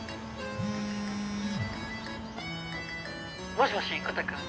もしもしコタくん？